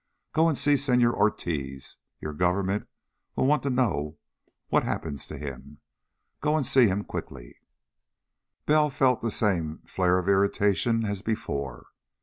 Go and see Senor Ortiz. Your government will want to know what happens to him. Go and see him quickly." Bell felt the same flare of irritation as before.